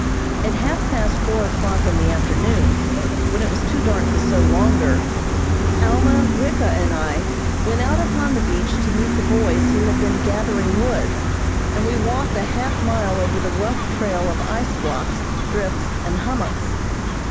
At half past four o'clock in the afternoon, when it was too dark to sew longer, Alma, Ricka and I went out upon the beach to meet the boys who had been gathering wood, and we walked a half mile over the rough trail of ice blocks, drifts and hummocks.